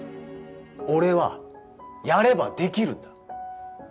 俺はやればできるんだ。